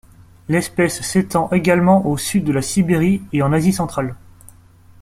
L'espèce s'étend également au sud de la Sibérie et en Asie centrale.